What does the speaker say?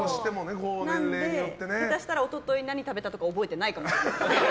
なので、下手したら一昨日何食べたかとか覚えてないかも。